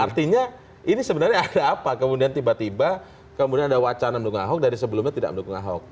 artinya ini sebenarnya ada apa kemudian tiba tiba kemudian ada wacana mendukung ahok dari sebelumnya tidak mendukung ahok